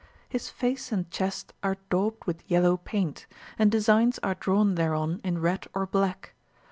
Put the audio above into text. His face and chest are daubed with yellow paint, and designs are drawn thereon in red or black.